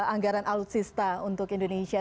anggaran alutsista untuk indonesia